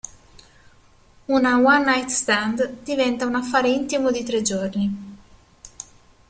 Una "one-night-stand" diventa un affare intimo di tre giorni.